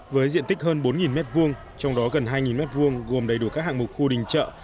với diện tích hơn bốn m hai trong đó gần hai m hai gồm đầy đủ các hạng mục khu đình chợ